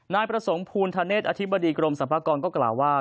นายประสงค์ภูณธเนศอธิบดีกรมสรรพากรก็กล่าวว่า